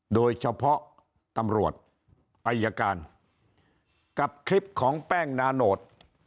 โดยเฉพาะตำรวจอายการกับคลิปของแป้งนาโนต